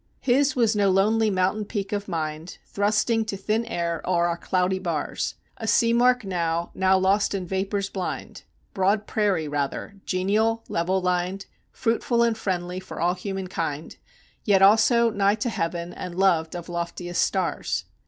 His was no lonely mountain peak of mind, Thrusting to thin air o'er our cloudy bars, A sea mark now, now lost in vapors blind; Broad prairie rather, genial, level lined, Fruitful and friendly for all human kind, Yet also nigh to heaven and loved of loftiest stars.